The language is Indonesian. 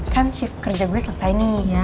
kan chip kerja gue selesai nih